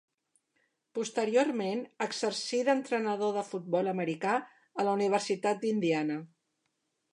Posteriorment exercí d'entrenador de futbol americà a la Universitat d'Indiana.